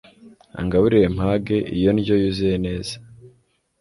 angaburire mpage iyo ndyo yuzuye neza